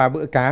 hai ba bữa cá